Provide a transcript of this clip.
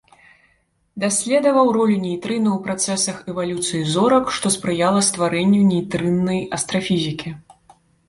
Даследаваў ролю нейтрына ў працэсах эвалюцыі зорак, што спрыяла стварэнню нейтрыннай астрафізікі.